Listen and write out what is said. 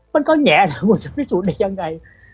มันก็แหงแล้วว่าจะพิสูจน์ได้ยังไง